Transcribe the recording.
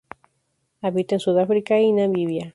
Habita en Sudáfrica y Namibia.